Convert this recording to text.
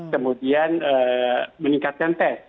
kemudian meningkatkan tes